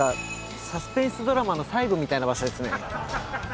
サスペンスドラマの最後みたいな場所ですね。